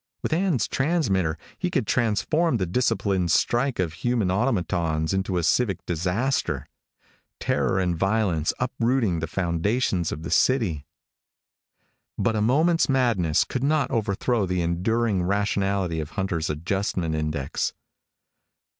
With Ann's transmitter he could transform the disciplined strike of human automatons into a civic disaster. Terror and violence uprooting the foundations of the city. But a moment's madness could not overthrow the enduring rationality of Hunter's adjustment index.